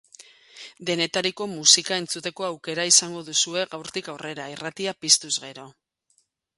Denetariko musika entzuteko aukera izango duzue gaurtik aurrera, irratia piztuz gero.